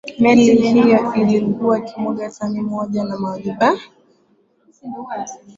meli hiyo ilikuwa ikimwaga tani mia moja za majivu